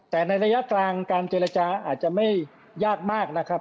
แต่ในระยะกลางการเจรจาอาจจะไม่ยากมากนะครับ